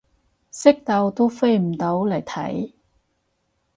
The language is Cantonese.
識到都飛唔到嚟睇